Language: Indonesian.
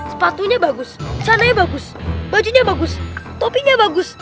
sepatunya bagus candai bagus bajunya bagus topinya bagus